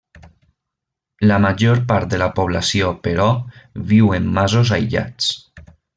La major part de la població, però, viu en masos aïllats.